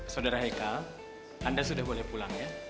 saudara heka anda sudah boleh pulang ya